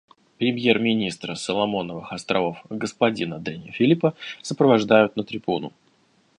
Премьер-министра Соломоновых Островов господина Дэнни Филипа сопровождают на трибуну.